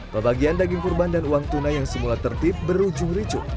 pembagian daging kurban dan uang tunai yang semula tertib berujung ricu